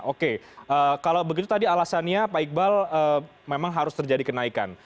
oke kalau begitu tadi alasannya pak iqbal memang harus terjadi kenaikan